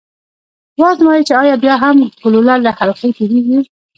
و ازمايئ چې ایا بیا هم ګلوله له حلقې تیریږي؟